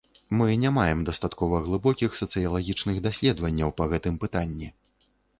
Мы не маем дастаткова глыбокіх сацыялагічных даследаванняў па гэтым пытанні.